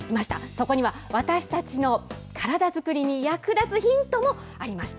そこには私たちの体作りに役立つヒントもありました。